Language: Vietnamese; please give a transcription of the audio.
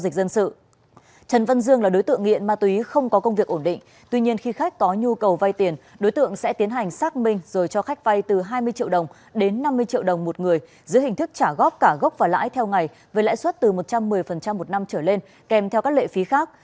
trần văn dương là đối tượng nghiện ma túy không có công việc ổn định tuy nhiên khi khách có nhu cầu vay tiền đối tượng sẽ tiến hành xác minh rồi cho khách vay từ hai mươi triệu đồng đến năm mươi triệu đồng một người dưới hình thức trả góp cả gốc và lãi theo ngày với lãi suất từ một trăm một mươi một năm trở lên kèm theo các lệ phí khác